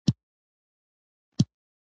کوربه د نیک چلند طرفدار وي.